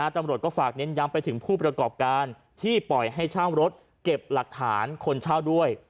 ตำรวจก็ฝากเน้นย้ำไปถึงผู้ประกอบการที่ปล่อยให้เช่ารถเก็บหลักฐานคนเช่าด้วย